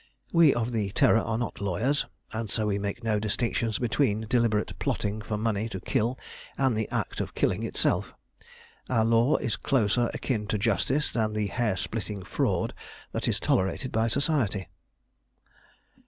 We of the Terror are not lawyers, and so we make no distinctions between deliberate plotting for money to kill and the act of killing itself. Our law is closer akin to justice than the hair splitting fraud that is tolerated by Society."